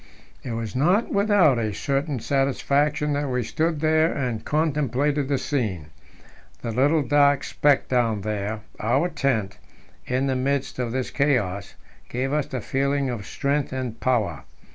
It was not without a certain satisfaction that we stood there and contemplated the scene. The little dark speck down there our tent in the midst of this chaos, gave us a feeling of strength and power.